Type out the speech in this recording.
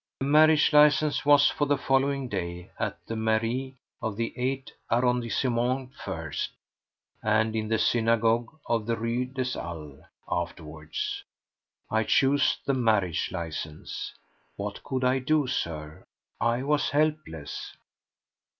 The marriage licence was for the following day—at the mairie of the eighth arrondissement first, and in the synagogue of the Rue des Halles afterwards. I chose the marriage licence. What could I do, Sir? I was helpless!